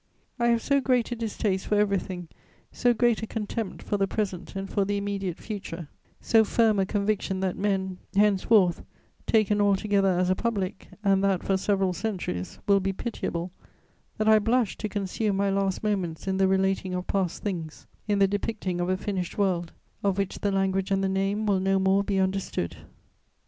I have so great a distaste for everything, so great a contempt for the present and for the immediate future, so firm a conviction that men, henceforth, taken all together as a public (and that for several centuries), will be pitiable, that I blush to consume my last moments in the relating of past things, in the depicting of a finished world, of which the language and the name will no more be understood. [Sidenote: Memories of Lady Sutton.